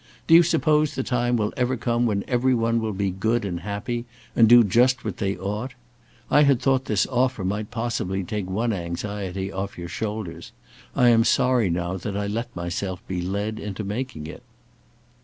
Do you suppose the time will ever come when every one will be good and happy and do just what they ought? I thought this offer might possibly take one anxiety off your shoulders. I am sorry now that I let myself be led into making it."